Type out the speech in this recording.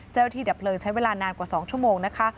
เจ้าหน้าที่ดับเปลิงใช้เวลานานนานกว่า๒ชั่วโมงนะคะ